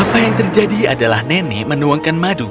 apa yang terjadi adalah nenek menuangkan madu